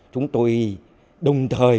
chúng tôi đồng thời